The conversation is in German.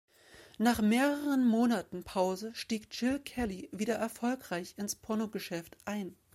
Nach mehreren Monaten Pause stieg Jill Kelly wieder erfolgreich ins Pornogeschäft ein.